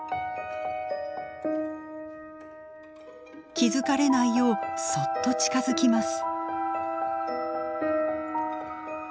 気付かれないようそっと近づきます。